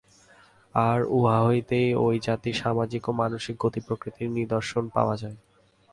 আর উহা হইতেই ঐ জাতির সামাজিক এবং মানসিক গতি-প্রকৃতির নিদর্শন পাওয়া যায়।